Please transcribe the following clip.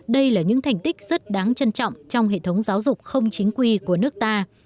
đây là những thành tích rất đáng trân trọng trong hệ thống giáo dục không chính quy của nước ta